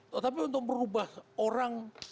tetapi untuk berubah orang